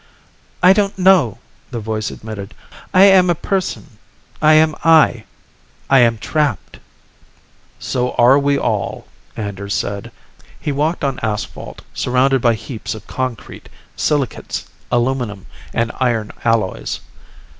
"I don't know," the voice admitted. "I am a person. I am I. I am trapped." "So are we all," Anders said. He walked on asphalt, surrounded by heaps of concrete, silicates, aluminum and iron alloys.